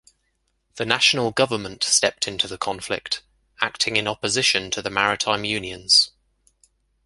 The National government stepped into the conflict, acting in opposition to the maritime unions.